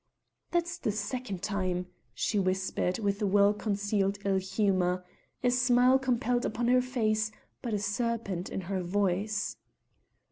"That's the second time!" she whispered with well concealed ill humour, a smile compelled upon her face but a serpent in her voice.